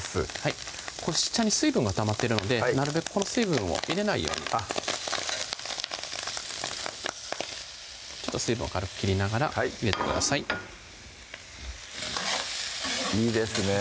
これ下に水分がたまってるのでなるべくこの水分を入れないようにちょっと水分を軽く切りながら入れてくださいいいですね